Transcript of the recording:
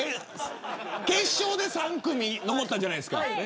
決勝で３組、残ったじゃないですか。